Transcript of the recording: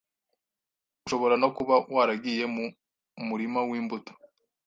Ushobora no kuba waragiye mu murima w’imbuto